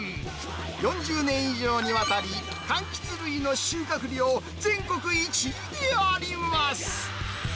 ４０年以上にわたり、かんきつ類の収穫量全国１位であります。